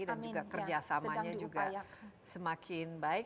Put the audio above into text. dan juga kerjasamanya juga semakin baik